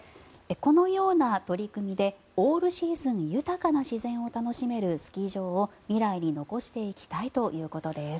このような取り組みでオールシーズン豊かな自然を楽しめるスキー場を未来に残していきたいということです。